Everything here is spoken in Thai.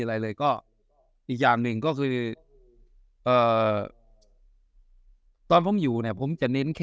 อะไรเลยก็อีกอย่างหนึ่งก็คือเอ่อตอนผมอยู่เนี่ยผมจะเน้นแค่